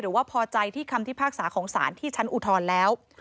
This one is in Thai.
หรือว่าพอใจที่คำที่ภาคสาของศาลที่ชั้นอุทรแล้ว